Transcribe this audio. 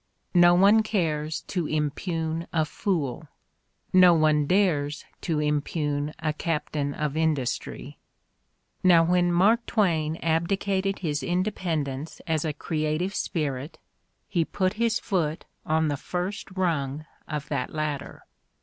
No one cares to impugn a fool ; no one dares to impugn a captain of industry. Now when Mark Twain abdicated his independence as a creative spirit, he put his foot on the first rung The Candidate for Gentility loi of that ladder.